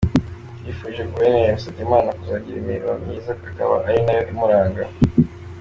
Yifurije Guverineri Musabyimana kuzagira imirimo myiza akaba ari nayo imuranga.